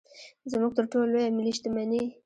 زموږ تر ټولو لویه ملي شتمني.